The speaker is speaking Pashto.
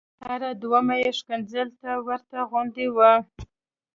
هره دویمه یې ښکنځل ته ورته غوندې وه.